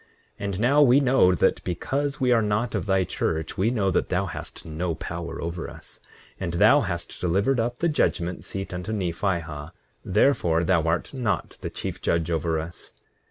8:12 And now we know that because we are not of thy church we know that thou hast no power over us; and thou hast delivered up the judgment seat unto Nephihah; therefore thou art not the chief judge over us.